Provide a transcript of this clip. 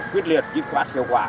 quyết liệt chức phạt hiệu quả